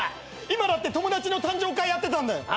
今だって友達の誕生会やってたんだよ。